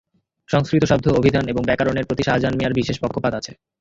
সংস্কৃত শব্দ, অভিধান এবং ব্যাকরণের প্রতি শাহজাহান মিয়ার বিশেষ পক্ষপাত আছে।